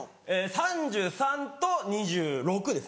３３歳と２６歳です。